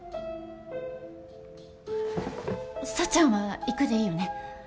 幸ちゃんは行くで良いよね？